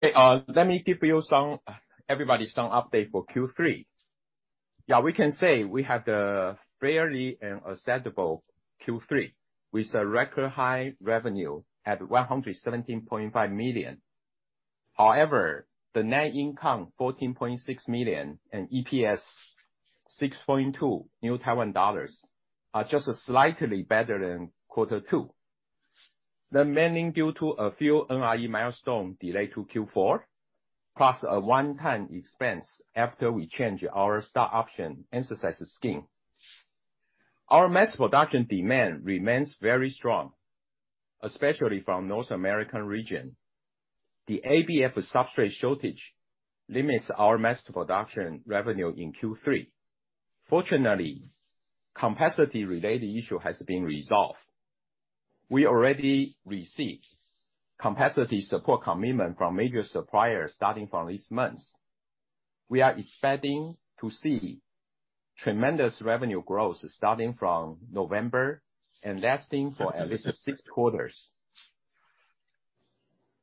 Okay, let me give everybody some update for Q3. Yeah, we can say we have a fairly acceptable Q3 with a record high revenue of 117.5 million. However, the net income 14.6 million and EPS 6.2 are just slightly better than Q2. Mainly due to a few NRE milestones delayed to Q4, plus a one-time expense after we change our stock option exercise scheme. Our mass production demand remains very strong, especially from North American region. The ABF substrate shortage limits our mass production revenue in Q3. Fortunately, capacity-related issue has been resolved. We already received capacity support commitment from major suppliers starting from this month. We are expecting to see tremendous revenue growth starting from November and lasting for at least six quarters.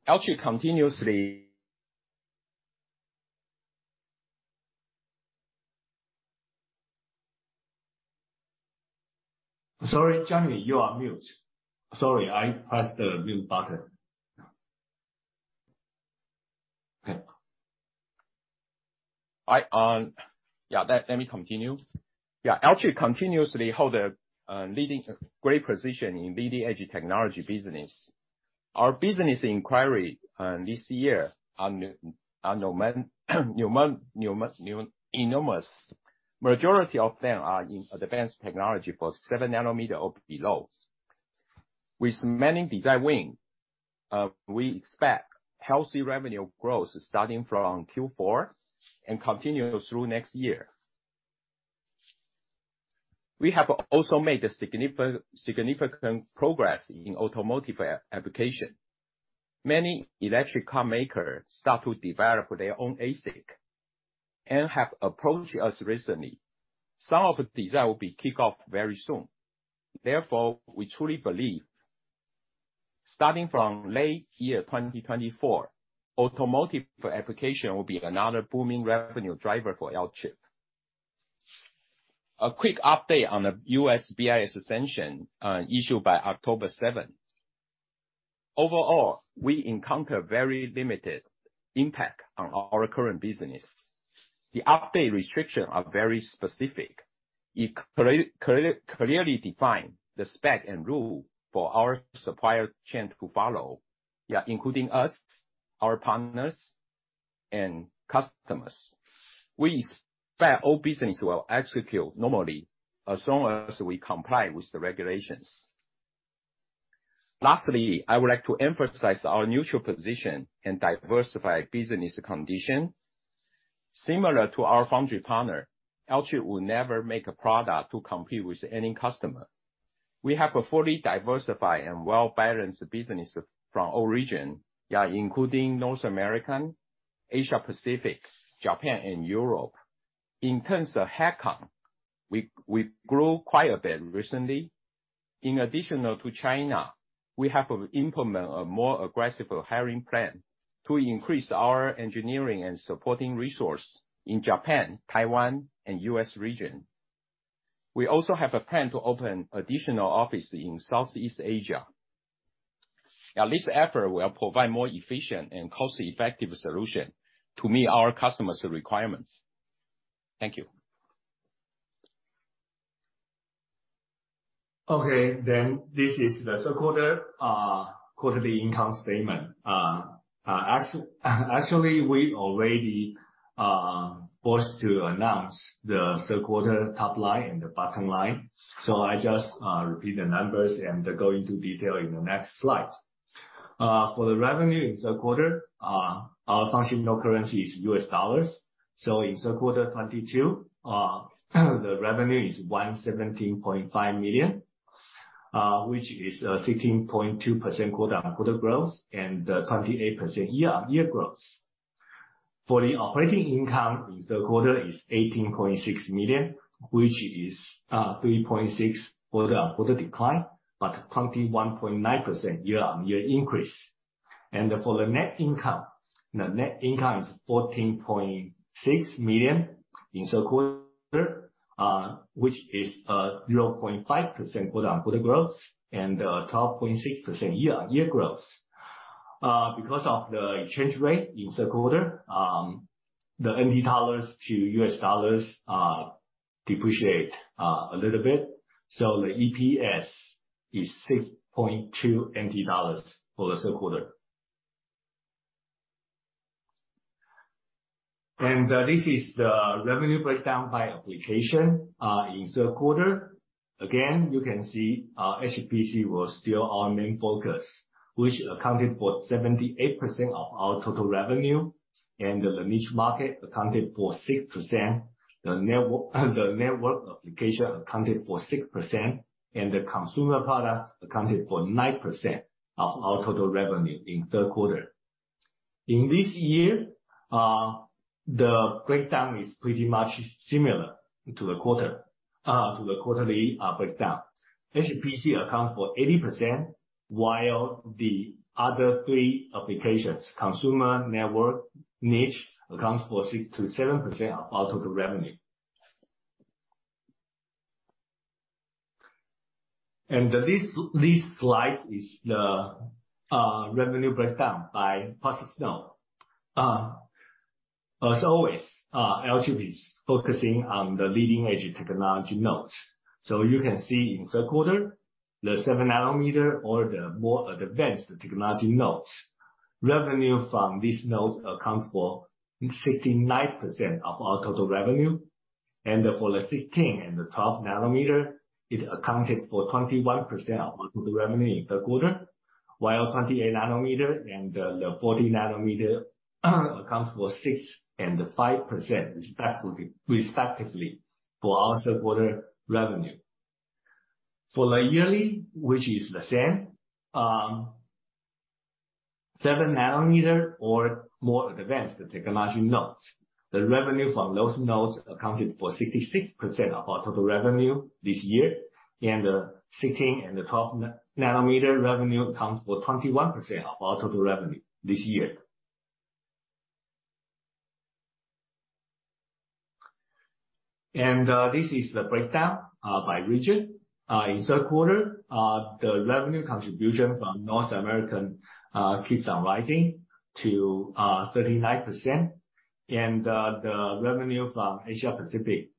Alchip continuously. Sorry, Johnny, you are mute. Sorry, I pressed the mute button. Okay. Yeah, let me continue. Yeah. Alchip continuously hold a leading great position in leading-edge technology business. Our business inquiry this year are enormous. Majority of them are in advanced technology for 7 nm or below. With many design win, we expect healthy revenue growth starting from Q4 and continuing through next year. We have also made a significant progress in automotive application. Many electric car makers start to develop their own ASIC and have approached us recently. Some of these will be kicked off very soon. Therefore, we truly believe, starting from late 2024, automotive application will be another booming revenue driver for Alchip. A quick update on the U.S. BIS extension issued on October 7. Overall, we encounter very limited impact on our current business. The updated restrictions are very specific. It clearly defines the spec and rule for our supply chain to follow, yeah, including us, our partners, and customers. We expect all business will execute normally as long as we comply with the regulations. Lastly, I would like to emphasize our neutral position and diversified business condition. Similar to our foundry partner, Alchip will never make a product to compete with any customer. We have a fully diversified and well-balanced business from all region, yeah, including North America, Asia-Pacific, Japan and Europe. In terms of headcount, we grew quite a bit recently. In addition to China, we have implemented a more aggressive hiring plan to increase our engineering and supporting resource in Japan, Taiwan and U.S. region. We also have a plan to open additional office in Southeast Asia. Now, this effort will provide more efficient and cost-effective solution to meet our customers requirements. Thank you. Okay, this is the third quarter quarterly income statement. Actually, we already supposed to announce the third quarter top line and the bottom line, so I just repeat the numbers and go into detail in the next slide. For the revenue in third quarter, our functional currency is U.S. dollars. In third quarter 2022, the revenue is $117.5 million, which is a 16.2% quarter-on-quarter growth and 28% year-on-year growth. For the operating income in third quarter is $18.6 million, which is 3.6% quarter-on-quarter decline, but 21.9% year-on-year increase. For the net income, the net income is 14.6 million in third quarter, which is 0.5% quarter-on-quarter growth and 12.6% year-on-year growth. Because of the exchange rate in third quarter, the NT dollars to U.S. dollars depreciate a little bit. The EPS is 6.2 NT dollars for the third quarter. This is the revenue breakdown by application in third quarter. Again, you can see, HPC was still our main focus, which accounted for 78% of our total revenue. The niche market accounted for 6%. The network application accounted for 6%. The consumer product accounted for 9% of our total revenue in third quarter. In this year, the breakdown is pretty much similar to the quarterly breakdown. HPC accounts for 80%, while the other three applications, consumer, network, niche, accounts for 6%-7% of total revenue. This slide is the revenue breakdown by process node. As always, Alchip is focusing on the leading-edge technology nodes. You can see in the third quarter, the 7 nm or the more advanced technology nodes, revenue from these nodes account for 69% of our total revenue. For the 16 nm and the 12 nm, it accounted for 21% of total revenue in the third quarter, while 28 nm and the 40 nm accounts for 6% and 5% respectively for our third quarter revenue. For the yearly, which is the same, 7 nm or more advanced technology nodes. The revenue from those nodes accounted for 66% of our total revenue this year, and the 16 nm and 12 nm revenue accounts for 21% of our total revenue this year. This is the breakdown by region. In third quarter, the revenue contribution from North America keeps on rising to 39%. The revenue from Asia-Pacific,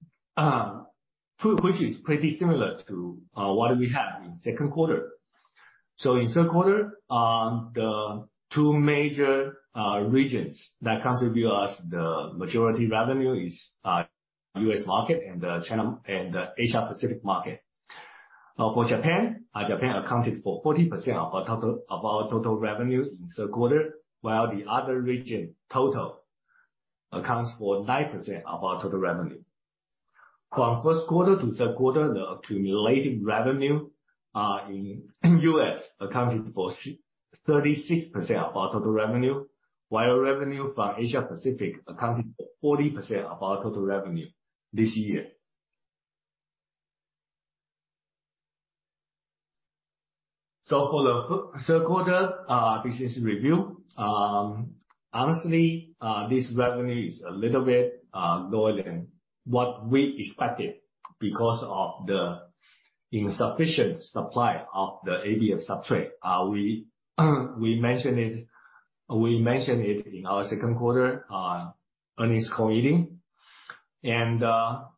which is pretty similar to what we had in second quarter. In third quarter, the two major regions that contribute us the majority revenue is U.S. market and China and Asia-Pacific market. Now for Japan accounted for 40% of our total revenue in third quarter, while the other region total accounts for 9% of our total revenue. From first quarter to third quarter, the accumulated revenue in the U.S. accounted for 36% of our total revenue, while revenue from Asia-Pacific accounted for 40% of our total revenue this year. For the third quarter business review, honestly, this revenue is a little bit lower than what we expected because of the insufficient supply of the ABF substrate. We mentioned it in our second quarter earnings call meeting. Throughout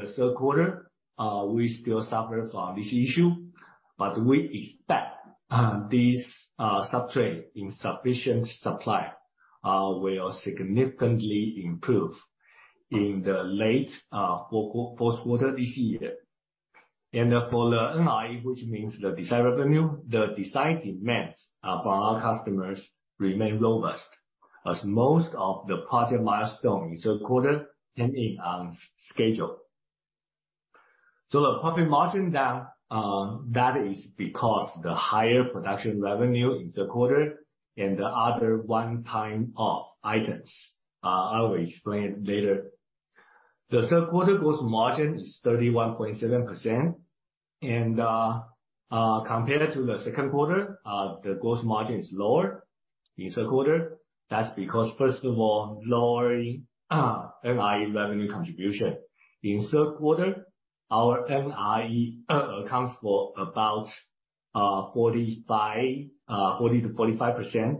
the third quarter, we still suffer from this issue. We expect this substrate insufficient supply will significantly improve in the late fourth quarter this year. For the NRE, which means the design revenue, the design demands from our customers remain robust, as most of the project milestone in third quarter ending on schedule. The profit margin down, that is because the higher production revenue in the third quarter and the other one-time off items. I will explain it later. The third quarter gross margin is 31.7%. Compared to the second quarter, the gross margin is lower in third quarter. That's because, first of all, lower NRE revenue contribution. In third quarter, our NRE accounts for about 40%-45%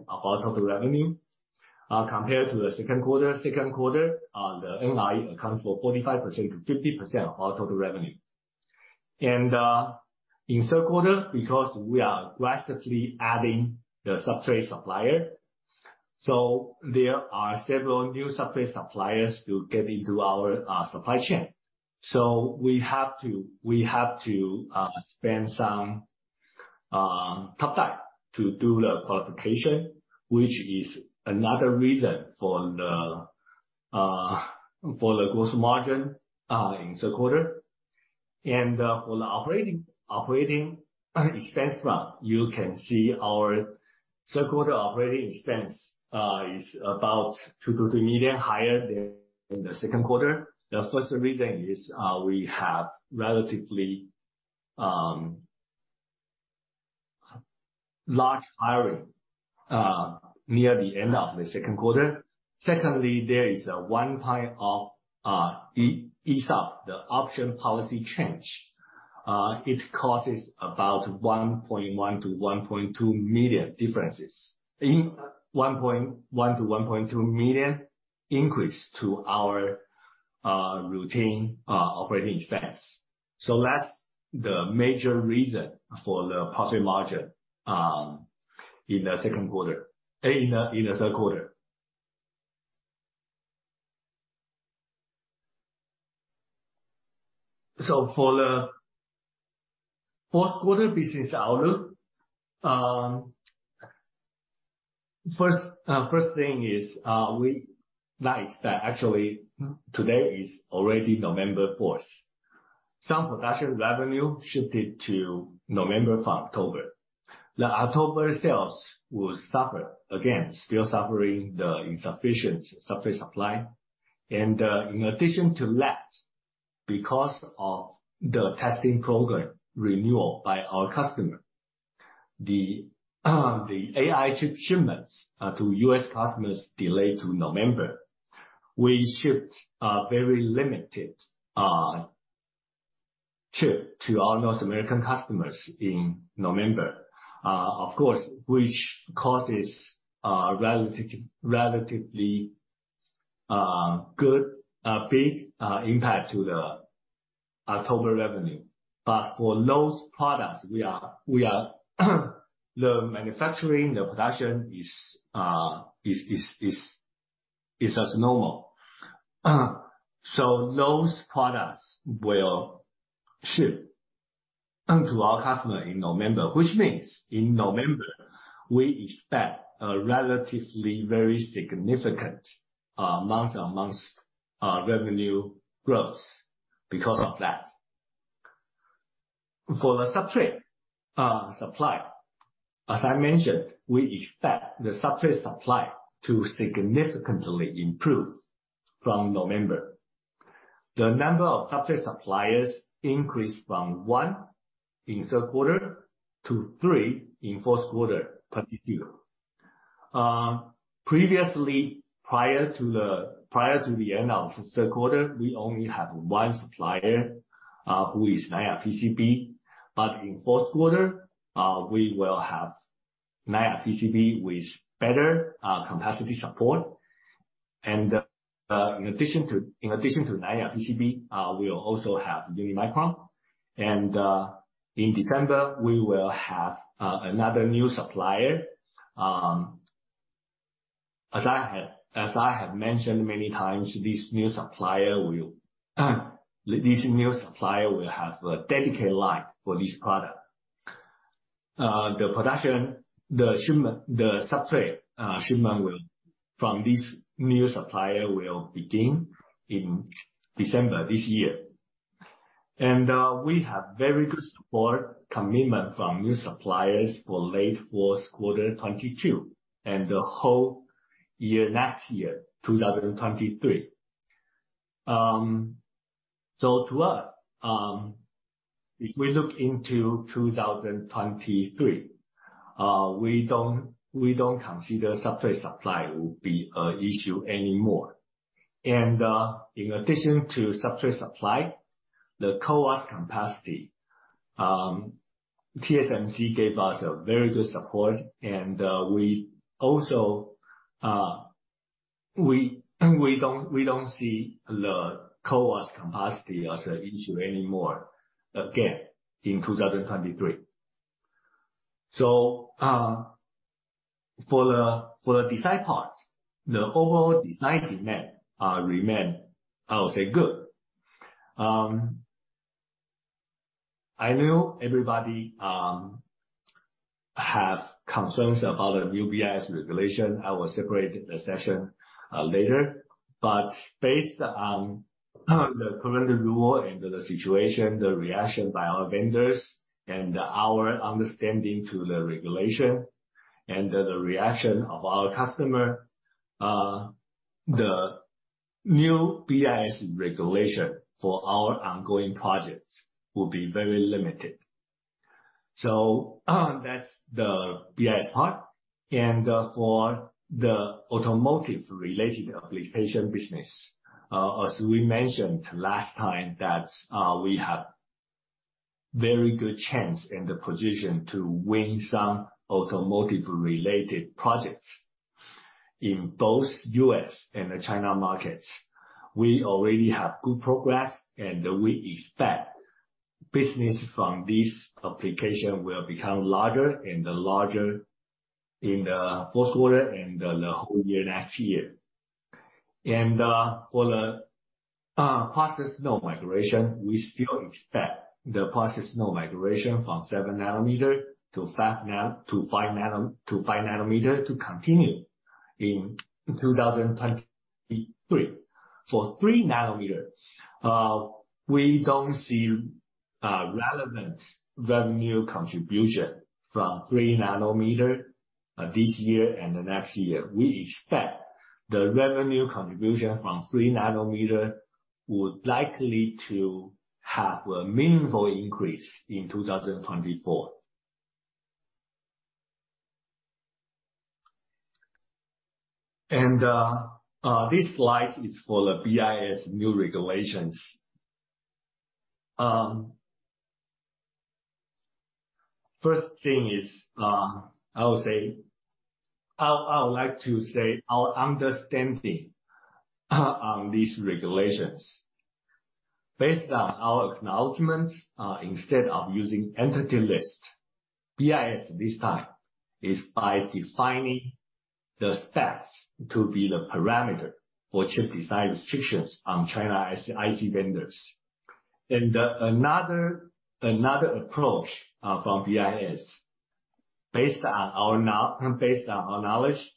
of our total revenue, compared to the second quarter. Second quarter, the NRE accounts for 45%-50% of our total revenue. In third quarter, because we are aggressively adding the substrate supplier, so there are several new substrate suppliers to get into our supply chain. We have to spend some cutback to do the qualification, which is another reason for the gross margin in third quarter. For the operating expense, well, you can see our third quarter operating expense is about 2 million-3 million higher than the second quarter. The first reason is we have relatively large hiring near the end of the second quarter. Secondly, there is a one-time, the ESOP option policy change. It causes about 1.1 million-1.2 million increase to our routine operating expense. That's the major reason for the profit margin in the third quarter. For the fourth quarter business outlook, first thing is, we like that actually today is already November fourth. Some production revenue shifted to November from October. The October sales will suffer. Again, still suffering the insufficient substrate supply. In addition to that, because of the testing program renewal by our customer, the AI chip shipments to U.S. customers delayed to November. We shipped a very limited chip to our North American customers in November. Of course, which causes relatively big impact to the October revenue. For those products, we are the manufacturing, the production is as normal. Those products will ship onto our customer in November, which means in November we expect a relatively very significant month-on-month revenue growth because of that. For the substrate supply, as I mentioned, we expect the substrate supply to significantly improve from November. The number of substrate suppliers increased from one in third quarter to three in fourth quarter 2022. Previously, prior to the end of the third quarter, we only have one supplier, who is Nan Ya PCB, but in fourth quarter, we will have Nan Ya PCB with better capacity support. In addition to Nan Ya PCB, we'll also have Unimicron. In December, we will have another new supplier. As I have mentioned many times, this new supplier will have a dedicated line for this product. The substrate shipment from this new supplier will begin in December this year. We have very good support commitment from new suppliers for late fourth quarter 2022 and the whole year next year, 2023. To us, if we look into 2023, we don't consider substrate supply will be an issue anymore. In addition to substrate supply, the CoWoS capacity, TSMC gave us very good support. We also don't see the CoWoS capacity as an issue anymore, again, in 2023. For the design parts, the overall design demand remain, I would say, good. I know everybody have concerns about the new BIS regulation. I will separate the session later. Based on the current rule and the situation, the reaction by our vendors and our understanding to the regulation and the reaction of our customer, the new BIS regulation for our ongoing projects will be very limited. That's the BIS part. For the automotive-related application business, as we mentioned last time, that we have very good chance and the position to win some automotive-related projects in both U.S. and the China markets. We already have good progress, and we expect business from this application will become larger and larger in the fourth quarter and the whole year next year. For the process node migration, we still expect the process node migration from 7 nm to 5 nm to continue in 2023. For 3 nm, we don't see relevant revenue contribution from 3 nm, this year and the next year. We expect the revenue contribution from 3 nm would likely to have a meaningful increase in 2024. This slide is for the BIS new regulations. First thing is, I would like to say our understanding on these regulations. Based on our acknowledgments, instead of using Entity List, BIS this time is by defining the specs to be the parameter for chip design restrictions on China IC vendors. Another approach from BIS, based on our knowledge,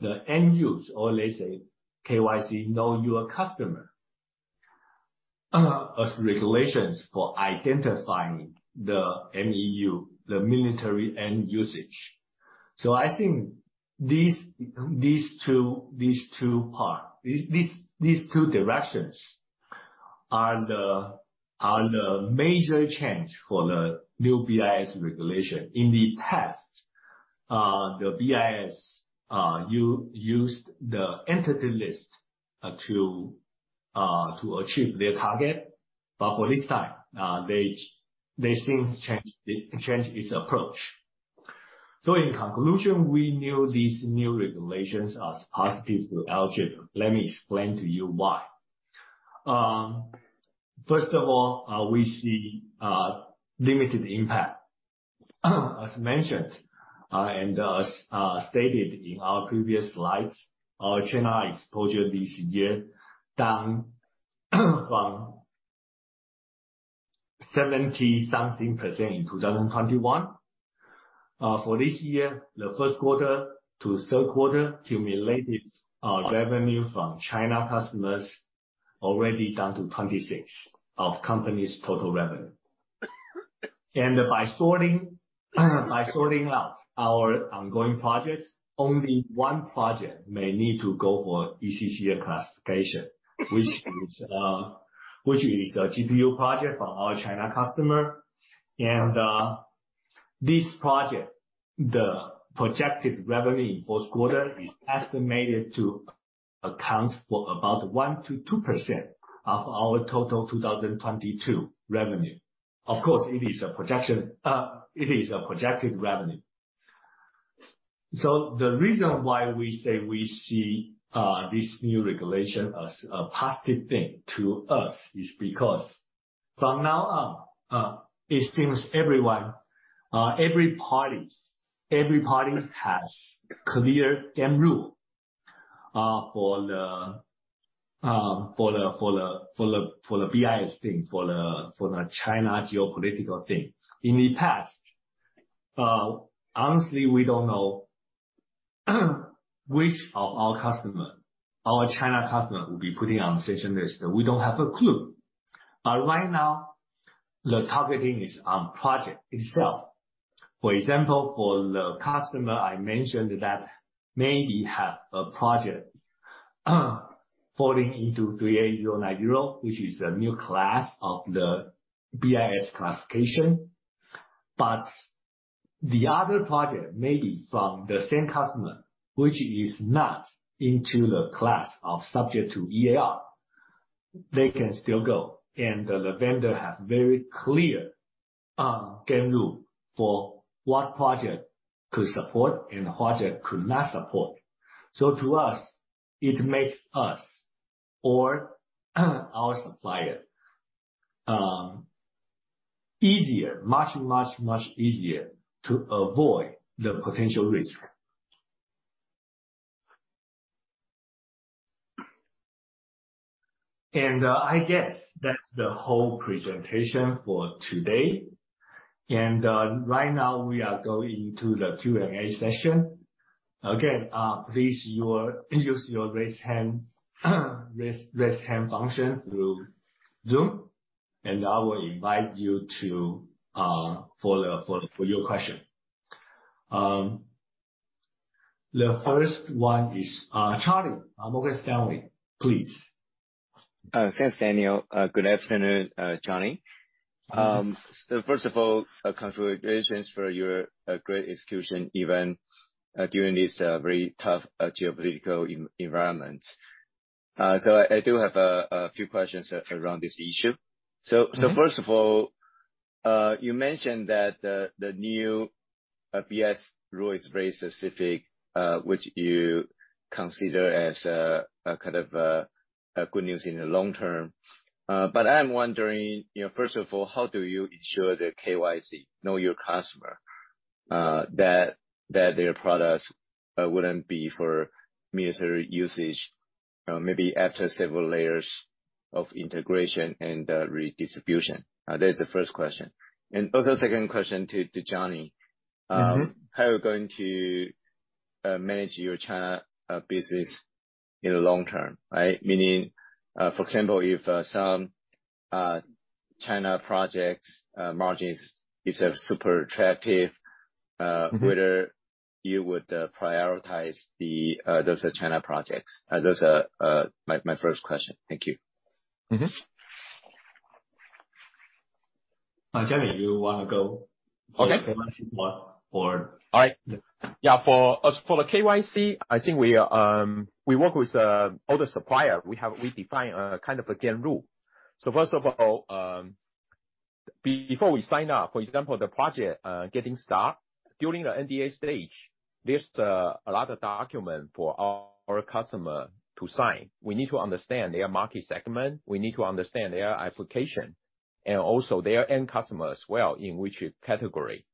the end users, or let's say KYC, know your customer. As regulations for identifying the MEU, the military end-user. I think these two directions are the major change for the new BIS regulation. In the past, the BIS used the entity list to achieve their target. For this time, they seem to change its approach. In conclusion, we view these new regulations as positive to Alchip. Let me explain to you why. First of all, we see limited impact. As mentioned, and as stated in our previous slides, our China exposure this year down from 70%-something in 2021. For this year, the first quarter to third quarter cumulative revenue from China customers already down to 26% of company's total revenue. By sorting out our ongoing projects, only one project may need to go for ECCN classification, which is a GPU project from our China customer. This project, the projected revenue in fourth quarter is estimated to account for about 1%-2% of our total 2022 revenue. Of course, it is a projection, it is a projected revenue. The reason why we say we see this new regulation as a positive thing to us is because from now on, it seems everyone, every party has clear game rule for the BIS thing, for the China geopolitical thing. In the past, honestly, we don't know which of our customer, our China customer will be putting on the sanction list. We don't have a clue. Right now, the targeting is on project itself. For example, for the customer I mentioned that maybe have a project falling into 3A090, which is a new class of the BIS classification. The other project may be from the same customer, which is not into the class of subject to EAR. They can still go and the vendor have very clear game rule for what project could support and what project could not support. To us, it makes us or our supplier easier, much, much, much easier to avoid the potential risk. I guess that's the whole presentation for today. Right now we are going to the Q&A session. Again, please use your raise hand function through Zoom, and I will invite you for your question. The first one is Charlie, Morgan Stanley, please. Thanks, Daniel. Good afternoon, Johnny. First of all, congratulations for your great execution, even during this very tough geopolitical environment. I do have a few questions around this issue. Mm-hmm. First of all, you mentioned that the new BIS rule is very specific, which you consider as a kind of a good news in the long term. I am wondering, you know, first of all, how do you ensure the KYC know your customer that their products wouldn't be for military usage, maybe after several layers of integration and redistribution. That is the first question. Also second question to Johnny. Mm-hmm. How are you going to manage your China business in the long term, right? Meaning, for example, if some China projects margins is super attractive. Mm-hmm. Whether you would prioritize those China projects? That's my first question. Thank you. Johnny, do you wanna go? Okay. Or- All right. Yeah, for us, for the KYC, I think we work with all the supplier. We define a kind of a game rule. First of all, before we sign up, for example the project, getting started. During the NDA stage, there's a lot of documents for our customer to sign. We need to understand their market segment, we need to understand their application and also their end customer as well, in which category.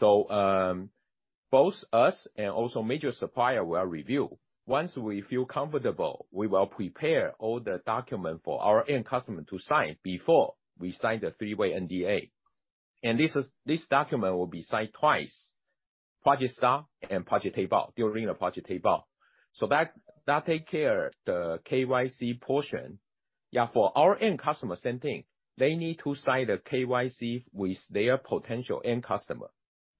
Both us and also major supplier will review. Once we feel comfortable, we will prepare all the documents for our end customer to sign before we sign the three-way NDA. This document will be signed twice. Project start and project payout, during the project payout. That takes care of the KYC portion. Yeah, for our end customer, same thing. They need to sign the KYC with their potential end customer.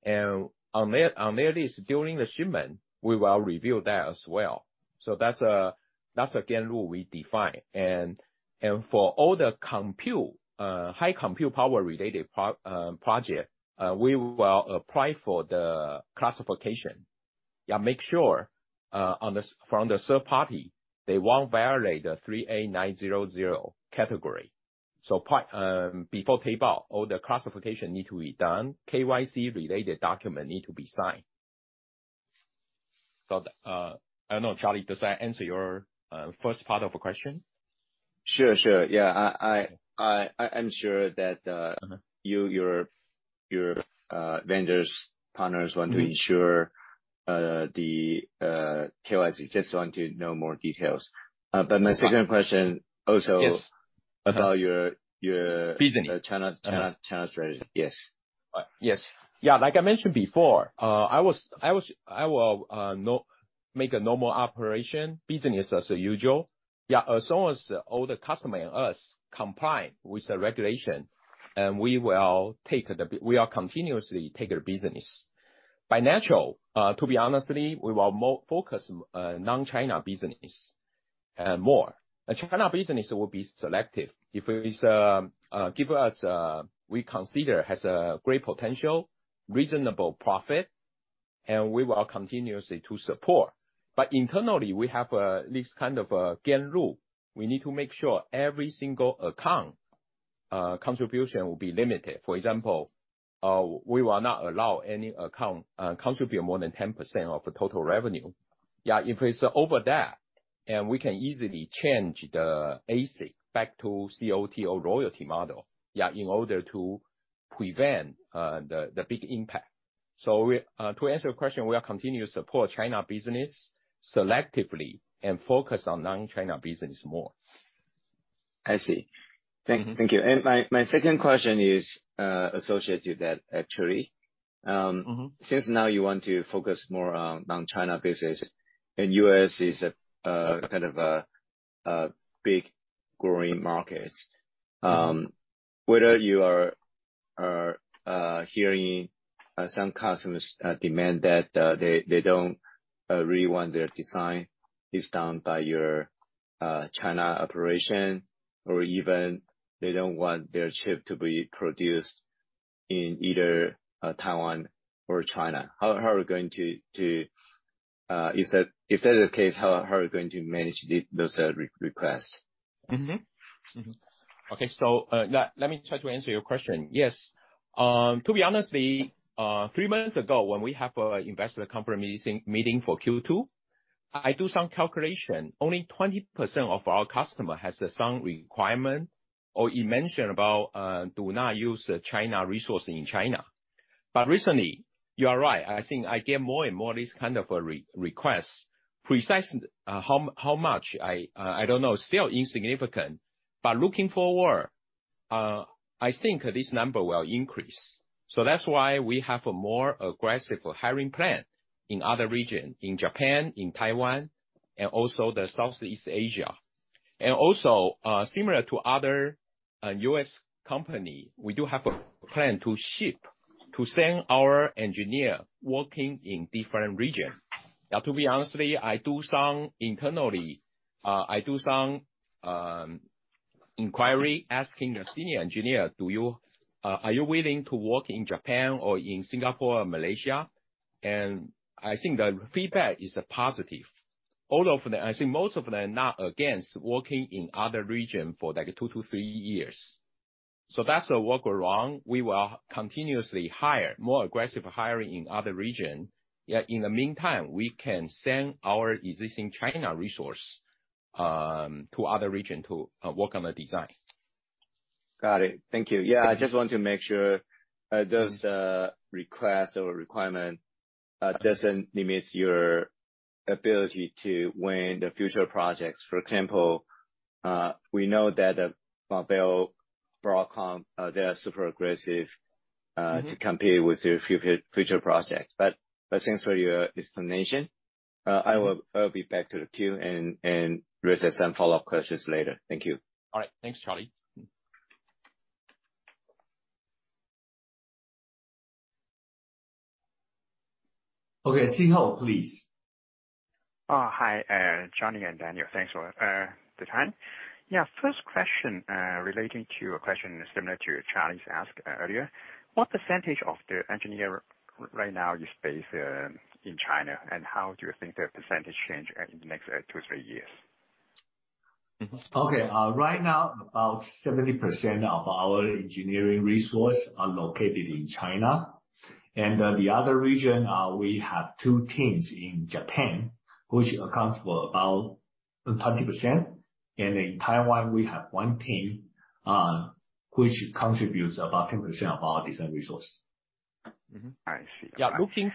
On their list during the shipment, we will review that as well. That's again a rule we define. For all the high compute power related project, we will apply for the classification. Make sure that from the third party, they won't violate the 3A090 category. Before payout, all the classification need to be done. KYC related document need to be signed. I don't know, Charlie, does that answer your first part of your question? Sure. Yeah. I'm sure that Mm-hmm. Your vendors, partners want to ensure- Mm-hmm. The KYC. Just want to know more details. My second question also. Yes. About your- Business. China strategy. Yes. Yes. Yeah, like I mentioned before, I will make a normal operation business as usual. Yeah, as long as all the customer and us comply with the regulation, and we will take the business. We will continue to take their business. By nature, to be honest, we will focus non-China business more. The China business will be selective. If it gives us, we consider has a great potential, reasonable profit, and we will continue to support. Internally, we have this kind of game rule. We need to make sure every single account contribution will be limited. For example, we will not allow any account contribute more than 10% of the total revenue. Yeah, if it's over that, and we can easily change the ASIC back to COT or royalty model, yeah, in order to prevent the big impact. We, to answer your question, we are continue to support China business selectively and focus on non-China business more. I see. Thank you. Mm-hmm. My second question is associated to that actually. Mm-hmm. Since now you want to focus more on non-China business, and the U.S. is a kind of big growing market, whether you are hearing some customers demand that they don't really want their design based on by your China operation or even they don't want their chip to be produced in either Taiwan or China, how are you going to manage those requests if that is the case? Okay. Let me try to answer your question. Yes. To be honest, three months ago, when we have an investor conference meeting for Q2, I do some calculation. Only 20% of our customer has some requirement or he mentioned about do not use China resource in China. But recently, you are right. I think I get more and more this kind of a request. Precisely how much, I don't know. Still insignificant. But looking forward, I think this number will increase. That's why we have a more aggressive hiring plan in other region, in Japan, in Taiwan, and also the Southeast Asia. Similar to other U.S. company, we do have a plan to send our engineer working in different region. Now, to be honest, I do some internal inquiry asking the senior engineer, are you willing to work in Japan or in Singapore or Malaysia? I think the feedback is positive. All of them. I think most of them are not against working in other region for, like, to to three years. That's the work around. We will continuously hire, more aggressive hiring in other region. Yet in the meantime, we can send our existing China resource to other region to work on the design. Got it. Thank you. Yeah. I just want to make sure, those request or requirement doesn't limit your ability to win the future projects. For example, we know that, Marvell, Broadcom, they are super aggressive. Mm-hmm. To compete with your future projects. Thanks for your explanation. I'll be back to the queue and raise some follow-up questions later. Thank you. All right. Thanks, Charlie. Mm-hmm. Okay, Szeho, please. Hi, Johnny and Daniel. Thanks for the time. Yeah, first question, relating to a question similar to Charlie's ask earlier. What percentage of the engineers right now is based in China, and how do you think the percentage change in the next two, three years? Okay. Right now, about 70% of our engineering resource are located in China. The other region, we have two teams in Japan, which accounts for about 20%. In Taiwan, we have one team, which contributes about 10% of our design resource. Mm-hmm. I see.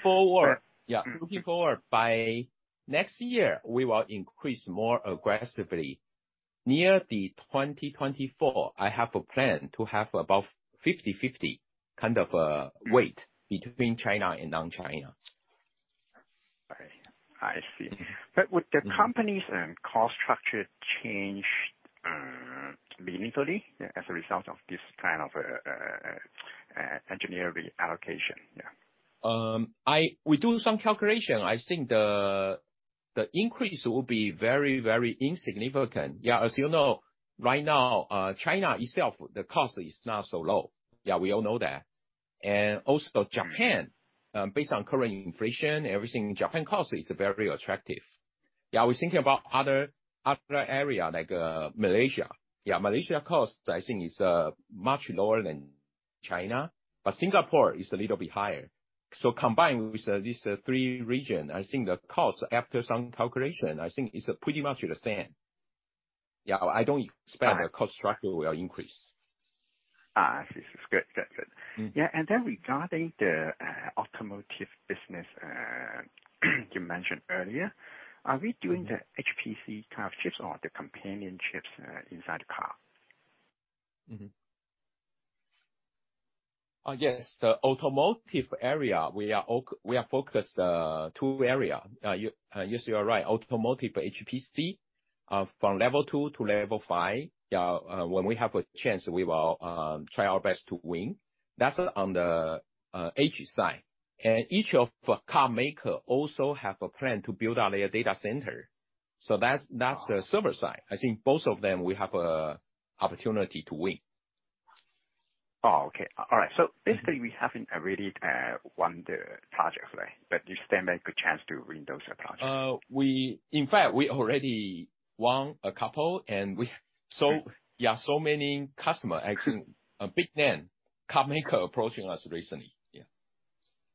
Yeah, looking forward, by next year, we will increase more aggressively. Near the 2024, I have a plan to have about 50/50 kind of weight between China and non-China. All right. I see. Would the company's cost structure change meaningfully as a result of this kind of engineering allocation? Yeah. We do some calculation. I think the increase will be very, very insignificant. Yeah. As you know, right now, China itself, the cost is not so low. Yeah, we all know that. Also Japan, based on current inflation, everything in Japan cost is very attractive. Yeah, we thinking about other area like, Malaysia. Yeah, Malaysia cost, I think is, much lower than China, but Singapore is a little bit higher. Combined with these three region, I think the cost after some calculation, I think it's pretty much the same. Yeah, I don't expect the cost structure will increase. I see. Good. That's it. Mm-hmm. Regarding the automotive business you mentioned earlier. Are we doing the HPC car chips or the companion chips inside the car? Yes. The automotive area, we are focused on two areas. You see, you are right. Automotive HPC from Level 2 to Level 5, when we have a chance, we will try our best to win. That's on the edge side. Each car maker also have a plan to build out their data center. That's the server side. I think both of them, we have an opportunity to win. Oh, okay. All right. Basically, we haven't really won the project, right? You stand a good chance to win those projects. In fact, we already won a couple, and so many customers. Actually, a big-name car maker approaching us recently.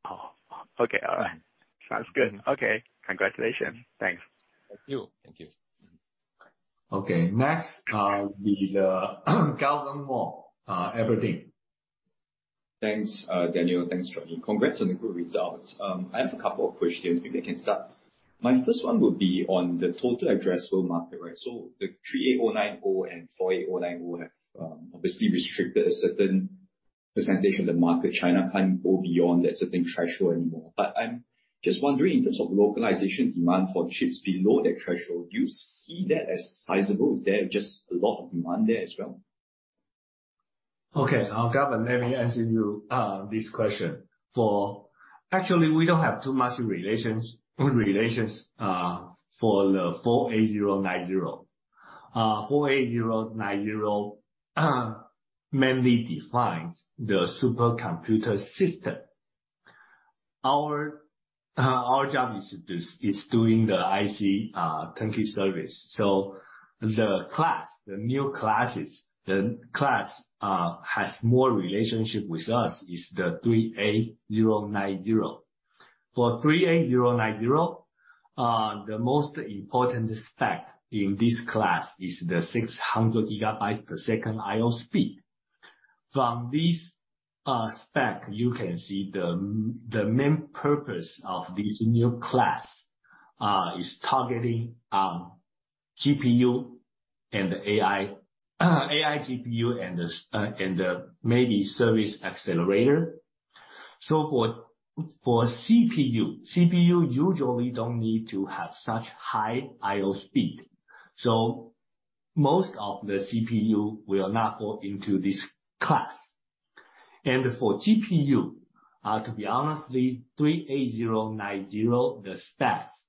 Oh, okay. All right. Sounds good. Okay. Congratulations. Thanks. Thank you. Thank you. Okay, next call will be the Gavan Mo, Evercore. Thanks, Daniel. Thanks, Johnny. Congrats on the good results. I have a couple of questions. Maybe I can start. My first one would be on the total addressable market, right? So the 3A090 and 4A090 have obviously restricted a certain percentage of the market. China can't go beyond that certain threshold anymore. I'm just wondering, in terms of localization demand for chips below that threshold, do you see that as sizable? Is there just a lot of demand there as well? Okay, Gavan, let me answer you this question. Actually, we don't have too much relations for the 4A090. 4A090 mainly defines the super computer system. Our job is just doing the IC turnkey service. The new class has more relationship with us is the 3A090. For 3A090, the most important spec in this class is the 600 Gbps I/O speed. From this spec, you can see the main purpose of this new class is targeting GPU and AI GPU and maybe service accelerator. For CPU, usually don't need to have such high I/O speed. Most of the CPU will not fall into this class. For GPU, to be honest, 3A090, the specs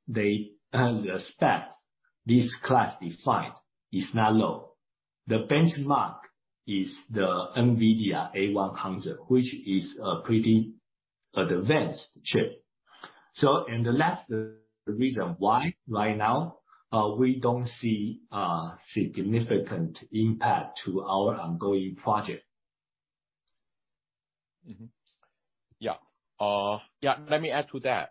this class defines is not low. The benchmark is the NVIDIA A100, which is a pretty advanced chip. That's the reason why right now, we don't see a significant impact to our ongoing project. Yeah, let me add to that.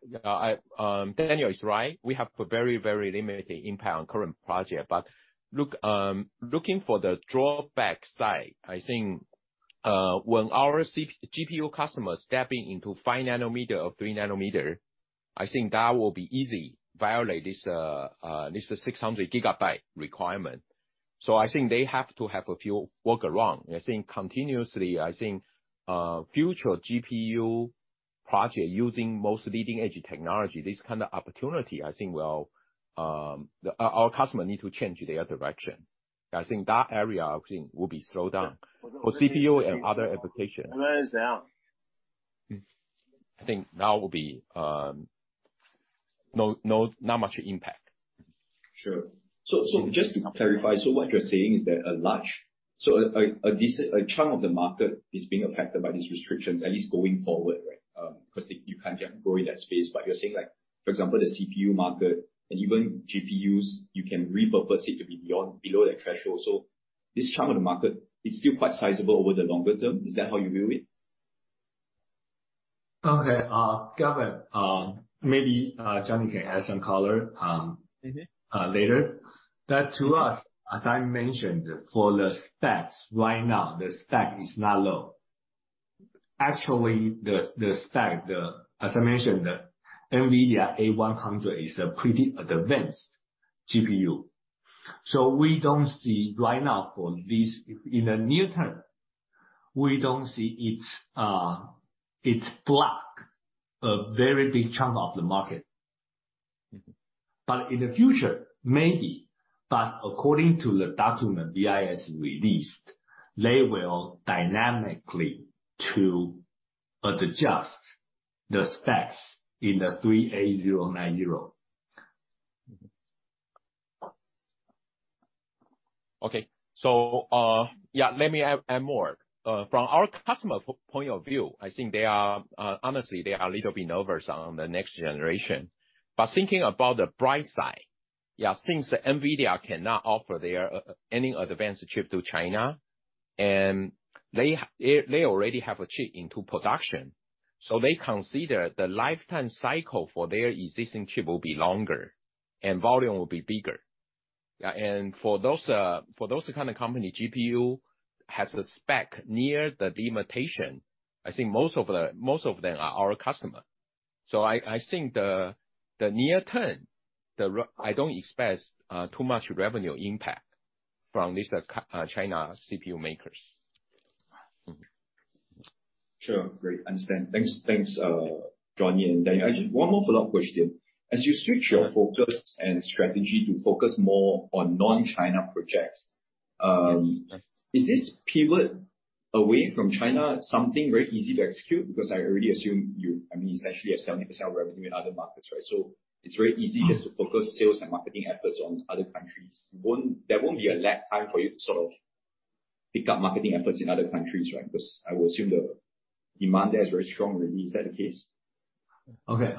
Daniel is right. We have a very limited impact on current project. Look, looking at the downside, I think when our GPU customers stepping into 5 nm or 3 nm, I think that will be easy to violate this 600 Gb requirement. So I think they have to have a few workarounds. I think continuously, future GPU project using most leading-edge technology, this kind of opportunity, I think will, our customer need to change their direction. I think that area will be slowed down. For CPU and other application, I think that will be no not much impact. Sure. Just to clarify, what you're saying is that a large chunk of the market is being affected by these restrictions, at least going forward, right? 'Cause you can't grow in that space. But you're saying like, for example, the CPU market and even GPUs, you can repurpose it to be beyond, below the threshold. This chunk of the market is still quite sizable over the longer term. Is that how you view it? Okay. Gavan, maybe Johnny can add some color. Mm-hmm. Later. That to us, as I mentioned, for the specs, right now, the spec is not low. Actually, the spec, as I mentioned, the NVIDIA A100 is a pretty advanced GPU. We don't see right now for this in the near term, we don't see it block a very big chunk of the market. In the future, maybe. According to the document BIS released, they will dynamically to adjust the specs in the 3A090. Okay. Let me add more. From our customer's point of view, I think they are honestly a little bit nervous on the next generation. Thinking about the bright side, since NVIDIA cannot offer any advanced chip to China, and they already have a chip into production. They consider the lifecycle for their existing chip will be longer and volume will be bigger. For those kind of company, GPU has a spec near the limitation. I think most of them are our customer. In the near term, I don't expect too much revenue impact from this China CPU makers. Sure. Great. Understand. Thanks, Johnny. One more follow-up question. As you switch your focus and strategy to focus more on non-China projects. Yes. Is this pivot away from China something very easy to execute? Because I already assume you, I mean, it's actually 70% revenue in other markets, right? It's very easy just to focus sales and marketing efforts on other countries. There won't be a lag time for you to sort of pick up marketing efforts in other countries, right? Because I would assume the demand there is very strong already. Is that the case? Okay.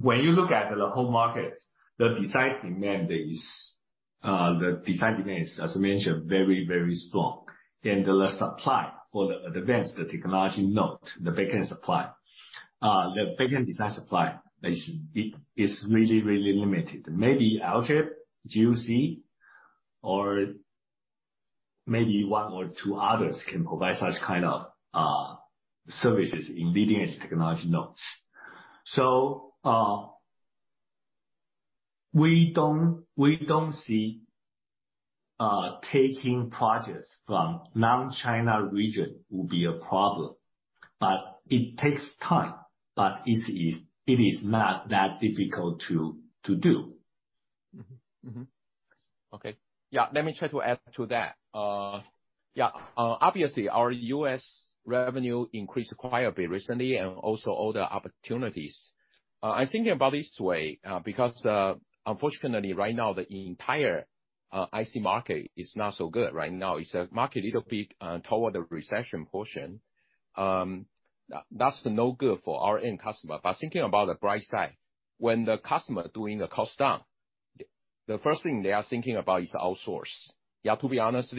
When you look at the whole market, the design demand is, as I mentioned, very, very strong. The supply for the advanced technology node, the backend supply, the backend design supply is really, really limited. Maybe like GUC, or maybe one or two others can provide such kind of services in leading-edge technology nodes. We don't see taking projects from non-China region will be a problem, but it takes time. It is not that difficult to do. Yeah, let me try to add to that. Yeah. Obviously, our U.S. revenue increased quite a bit recently and also all the opportunities. I think about this way, because unfortunately right now, the entire IC market is not so good right now. It's the market a little bit toward the recession portion. That's no good for our end customer. Thinking about the bright side, when the customer doing a cost down, the first thing they are thinking about is outsourcing. Yeah, to be honest,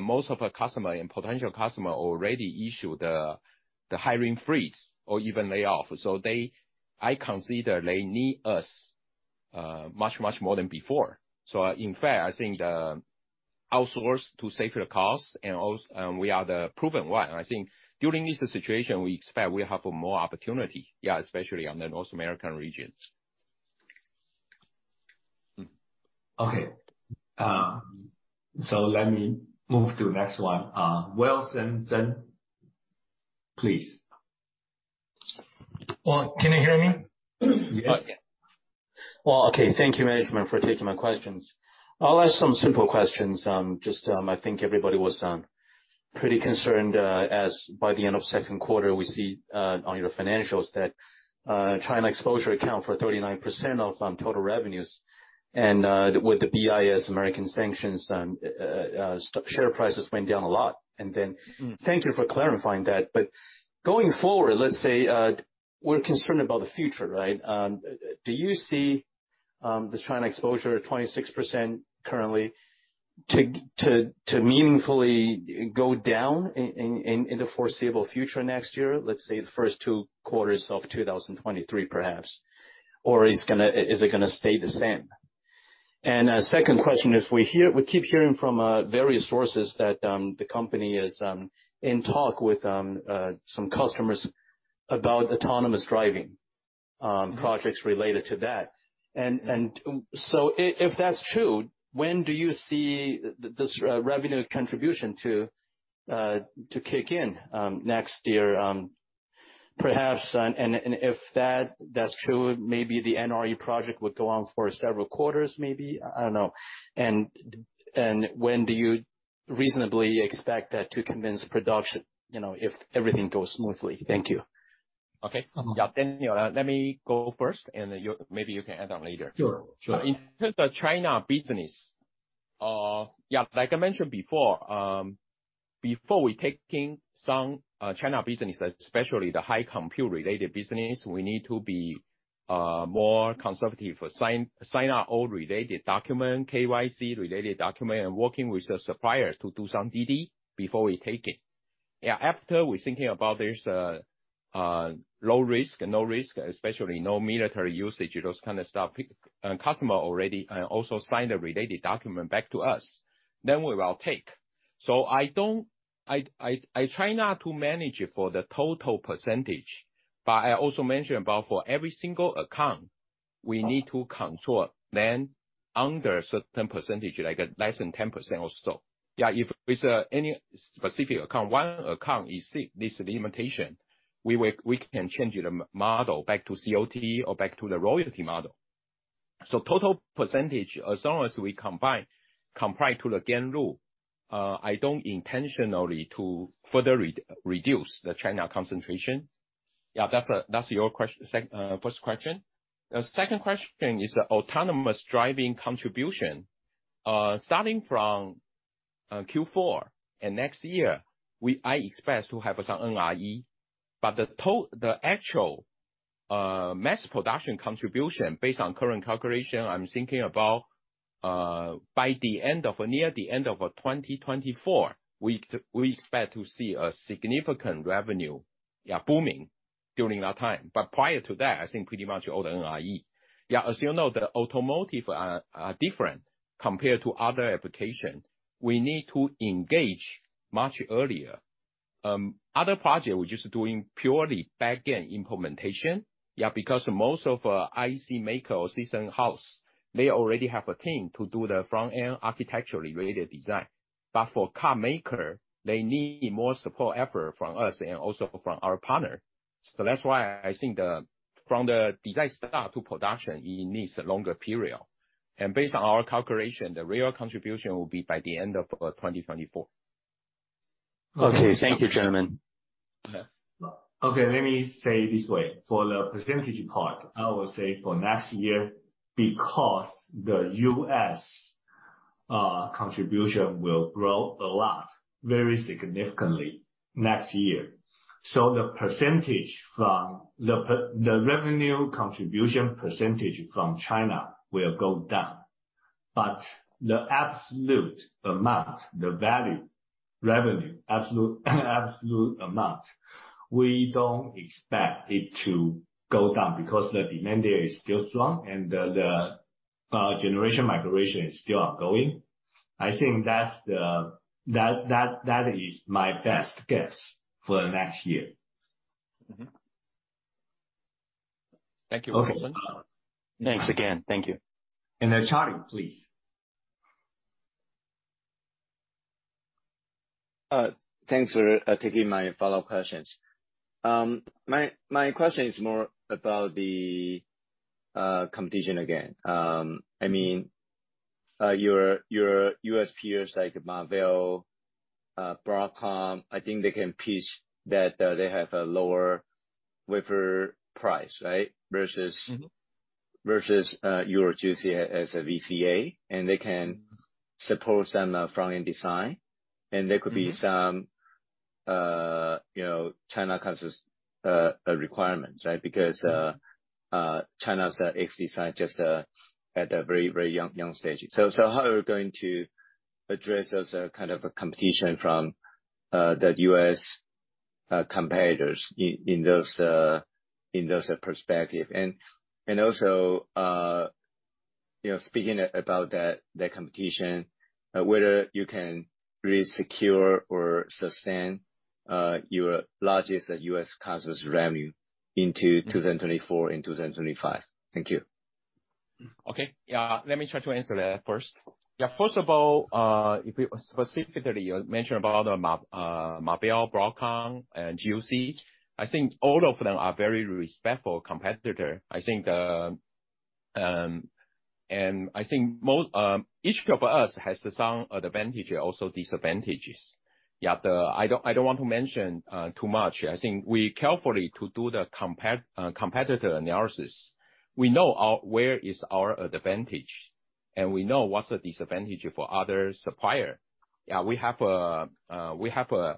most of our customer and potential customer already issued the hiring freeze or even layoff. They need us much more than before. I consider they need us much more than before. In fact, I think the outsourcing to save the cost and we are the proven one. I think during this situation, we expect we have more opportunity, yeah, especially on the North American regions. Okay. Let me move to the next one. Wilson Zhen, please. Well, can you hear me? Yes. Well, okay. Thank you, management, for taking my questions. I'll ask some simple questions. Just, I think everybody was pretty concerned as by the end of second quarter, we see on your financials that China exposure account for 39% of total revenues. With the BIS American sanctions, share prices went down a lot. Then- Mm. Thank you for clarifying that. Going forward, let's say, we're concerned about the future, right? Do you see the China exposure at 26% currently to meaningfully go down in the foreseeable future next year? Let's say the first two quarters of 2023 perhaps, or is it going to stay the same? A second question is, we hear—we keep hearing from various sources that the company is in talks with some customers about autonomous driving projects related to that. If that's true, when do you see this revenue contribution to kick in next year, perhaps? And if that's true, maybe the NRE project would go on for several quarters, maybe? I don't know. When do you reasonably expect that to commence production, you know, if everything goes smoothly? Thank you. Okay. Yeah. Daniel, let me go first, and you, maybe you can add on later. Sure. Sure. In terms of China business, yeah, like I mentioned before we taking some China business, especially the high compute related business, we need to be more conservative for sign our own related document, KYC related document, and working with the suppliers to do some DD before we take it. Yeah, after we're thinking about this, low risk and no risk, especially no military usage, those kind of stuff. Customer already also signed a related document back to us, then we will take. I try not to manage it for the total percentage, but I also mentioned about for every single account, we need to control then under certain percentage, like less than 10% or so. Yeah, if it's any specific account, one account exceed this limitation, we can change the model back to COT or back to the royalty model. Total percentage, as long as we combine compared to the annual, I don't intentionally to further reduce the China concentration. Yeah, that's your first question. The second question is the autonomous driving contribution. Starting from Q4 and next year, I expect to have some NRE. But the actual mass production contribution based on current calculation, I'm thinking about by the end of or near the end of 2024, we expect to see a significant revenue, yeah, booming during that time. But prior to that, I think pretty much all the NRE. Yeah, as you know, the automotive are different compared to other application. We need to engage much earlier. Other project, we're just doing purely back-end implementation, yeah, because most of IC makers in-house, they already have a team to do the front-end architecturally related design. For car maker, they need more support effort from us and also from our partner. That's why I think from the design start to production, it needs a longer period. Based on our calculation, the real contribution will be by the end of 2024. Okay. Thank you, gentlemen. Okay. Let me say this way. For the percentage part, I will say for next year, because the U.S. contribution will grow a lot, very significantly next year. The percentage from the revenue contribution percentage from China will go down. The absolute amount, the value, revenue, absolute amount, we don't expect it to go down because the demand there is still strong and the generation migration is still ongoing. I think that's the that is my best guess for the next year. Mm-hmm. Thank you. Okay. Thanks again. Thank you. Charlie, please. Thanks for taking my follow-up questions. My question is more about the competition again. I mean, your U.S. peers like Marvell, Broadcom, I think they can pitch that they have a lower wafer price, right? Versus- Mm-hmm. Versus your GUC as a VCA, and they can support some front-end design. There could be some, you know, China constraints requirements, right? Because China's ecosystem just at a very young stage. How are you going to address those kind of competition from the U.S. competitors in those perspectives? Also, you know, speaking about that, the competition, whether you can really secure or sustain your largest U.S. customer's revenue into 2024 and 2025. Thank you. Okay. Yeah. Let me try to answer that first. Yeah. First of all, if you specifically mentioned about Marvell, Broadcom and GUC, I think all of them are very respectable competitors. I think most each of us has some advantages, also disadvantages. Yeah. I don't want to mention too much. I think we are careful to do the competitor analysis. We know where our advantage is, and we know what's the disadvantage for other suppliers. Yeah, we have a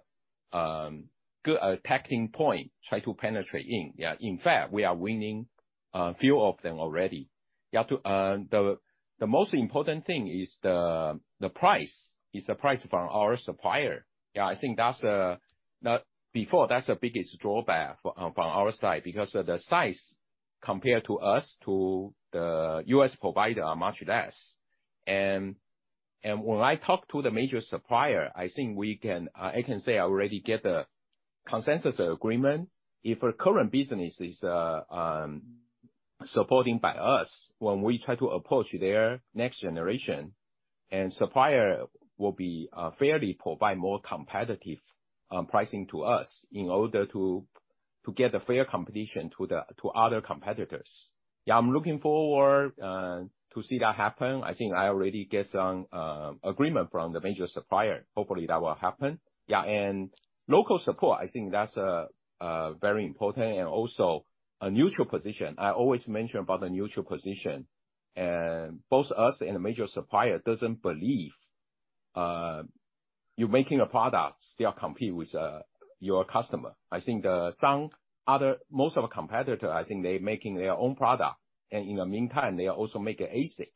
good attacking point, try to penetrate in. Yeah. In fact, we are winning a few of them already. Yeah. The most important thing is the price from our supplier. Yeah, I think that's before that's the biggest drawback from our side because the size compared to us to the U.S. provider are much less. When I talk to the major supplier, I think we can I can say I already get the consensus agreement. If a current business is supporting by us, when we try to approach their next generation and supplier will be fairly provide more competitive pricing to us in order to get a fair competition to the other competitors. Yeah, I'm looking forward to see that happen. I think I already get some agreement from the major supplier. Hopefully, that will happen. Yeah, local support, I think that's very important and also a neutral position. I always mention about the neutral position, both us and the major supplier doesn't believe you're making a product still compete with your customer. I think some other, most of our competitor, I think they're making their own product. In the meantime, they also make an ASIC.